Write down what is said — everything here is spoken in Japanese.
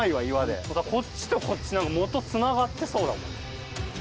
ホントだこっちとこっちもとはつながってそうだもん。